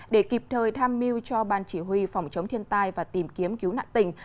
để kịp thời tham mưu cho ban chỉ huy phòng chống thiên tai và tìm kiếm cứu nạn tỉnh